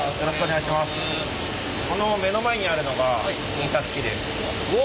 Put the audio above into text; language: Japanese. この目の前にあるのが印刷機です。